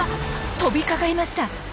飛びかかりました。